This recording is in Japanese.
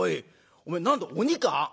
おめえ何だ鬼か？